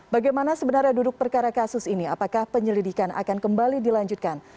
bagaimana sebenarnya duduk perkara kasus ini apakah penyelidikan akan kembali dilanjutkan